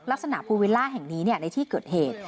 ลักษณะภูวิลล่าแห่งนี้เนี่ยในที่เกิดเหตุ